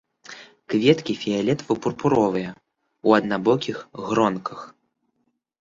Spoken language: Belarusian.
Кветкі фіялетава-пурпуровя, у аднабокіх гронках.